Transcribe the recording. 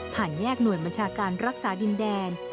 ผ่านแยกหน่วยมจาการรักษาดินแดน